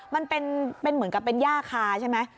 มันเป็นเหมือนกับเป็นย่าคาใช่ไหม